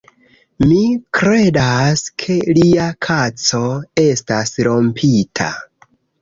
Mi kredas, ke lia kaco estas rompita